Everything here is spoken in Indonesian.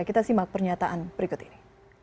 kita simak pernyataan berikut ini